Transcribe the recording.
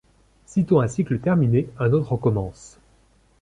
Sitôt un cycle terminé, un autre recommence.